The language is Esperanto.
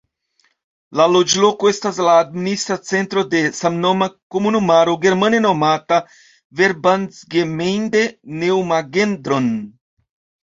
La loĝloko estas la administra centro de samnoma komunumaro, germane nomata "Verbandsgemeinde Neumagen-Dhron".